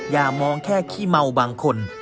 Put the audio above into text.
อย่ามองแค่ขี้เมาบางคน